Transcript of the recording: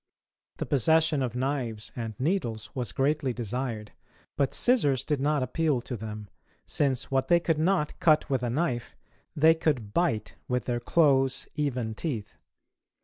The possession of knives and needles was greatly desired; but scissors did not appeal to them, since what they could not cut with a knife they could bite with their close even teeth.